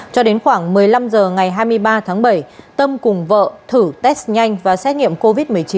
cho đến khoảng một mươi năm h ngày hai mươi ba tháng bảy tâm cùng vợ thử test nhanh và xét nghiệm covid một mươi chín